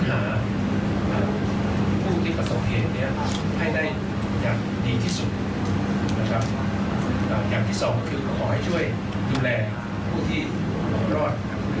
แล้วก็เราได้เช็คในเรื่องของระบบประกันอะไรต่างอยู่แล้ว